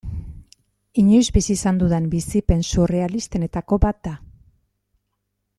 Inoiz bizi izan dudan bizipen surrealistenetako bat da.